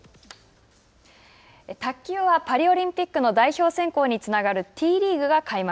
卓球はパリオリンピックの代表選考につながるＴリーグが開幕。